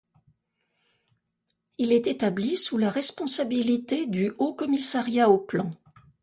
Il est établi sous la responsabilité du Haut-Commissariat au plan.